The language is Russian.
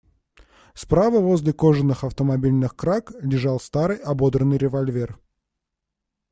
Справа, возле кожаных автомобильных краг, лежал старый, ободранный револьвер.